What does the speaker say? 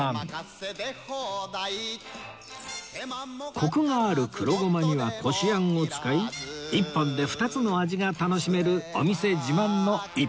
コクがある黒ごまにはこしあんを使い１本で２つの味が楽しめるお店自慢の逸品です